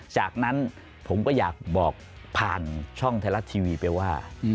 จากนั้นผมก็อยากบอกผ่านช่องไทยรัฐทีวีไปว่า